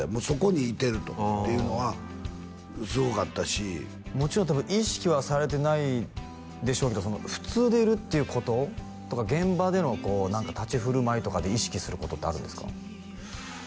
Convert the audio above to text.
そこにいてるとていうのはすごかったしもちろん多分意識はされてないでしょうけど普通でいるっていうこととか現場での立ち居振る舞いとかで意識することってあるんですか？